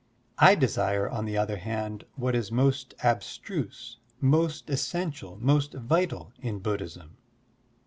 I desire on the other hand what is most abstruse, most essential, most vital in Buddhism.''